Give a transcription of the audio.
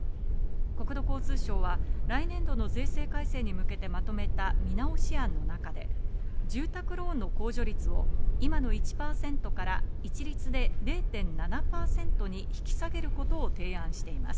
国土交通省は来年度の税制改正に向けてまとめた見直し案の中で住宅ローンの控除率を今の１％から一律で０．７％に引き下げることを提案しています。